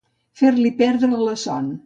Fer-li perdre la son.